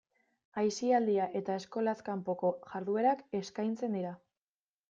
Aisialdia eta eskolaz kanpoko jarduerak eskaintzen dira.